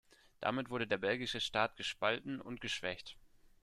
Damit wurde der belgische Staat gespalten und geschwächt.